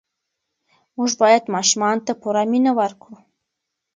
موږ باید ماشومانو ته پوره مینه ورکړو.